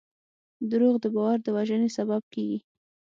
دروغ د باور د وژنې سبب کېږي.